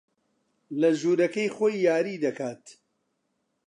لە ژوورەکەی خۆی یاری دەکات.